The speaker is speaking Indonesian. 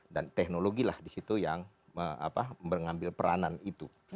dan teknologi lah disitu yang mengambil peranan itu